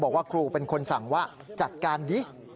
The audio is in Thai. บอกว่าครูเป็นคนสั่งว่าจัดการดิ